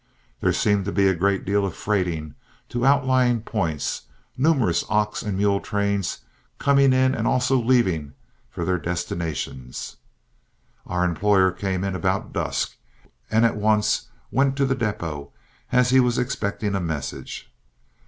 There seemed to be a great deal of freighting to outlying points, numerous ox and mule trains coming in and also leaving for their destinations. Our employer came in about dusk, and at once went to the depot, as he was expecting a message.